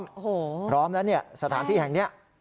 พร้อมแล้วสถานที่แห่งนี้